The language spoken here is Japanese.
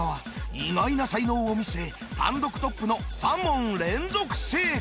意外な才能を見せ単独トップの３問連続正解。